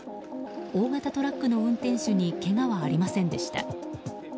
大型トラックの運転手にけがはありませんでした。